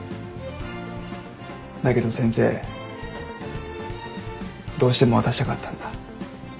だけど先生どうしても渡したかったんだ。